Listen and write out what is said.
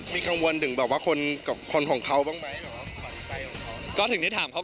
มีกังวลถึงแบบว่าคนคนของเขาบ้างมั้ย